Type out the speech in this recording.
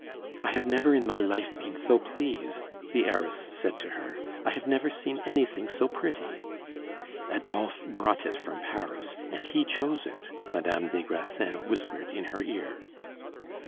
"I have never in my life been so pleased," the heiress said to her; "I have never seen anything so pretty." "Adolphe brought it from Paris, and he chose it," Madame des Grassins whispered in her ear.